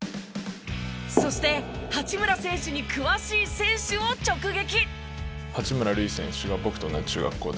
そして八村選手に詳しい選手を直撃。